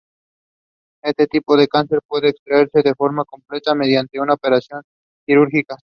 Este tipo de cáncer puede extraerse de forma completa mediante una operación quirúrgica.